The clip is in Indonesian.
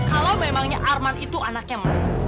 kalau memangnya arman itu anaknya mas